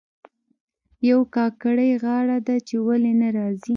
یوه کاکړۍ غاړه ده چې ولې نه راځي.